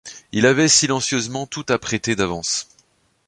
Il avait silencieusement tout apprêté d’avance.